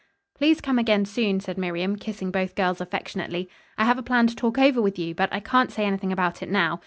"Please come again soon," said Miriam, kissing both girls affectionately. "I have a plan to talk over with you, but I can't say anything about it now.